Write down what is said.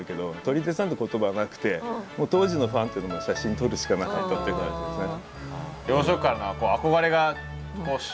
言葉はなくて当時のファンっていうのは写真撮るしかなかったっていう感じですね。